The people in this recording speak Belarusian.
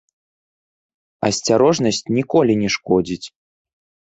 Асцярожнасць ніколі не шкодзіць.